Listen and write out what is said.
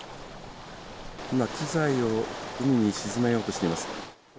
今、機材を海に沈めようとしています。